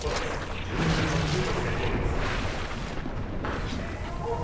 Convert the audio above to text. １２分の９の成功率。